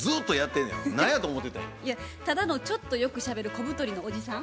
いやただのちょっとよくしゃべる小太りのおじさん。